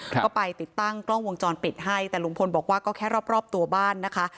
ก็ไปติดตั้งกล้องวงจรปิดให้แต่ลุงพลบอกว่าก็แค่รอบรอบตัวบ้านนะคะ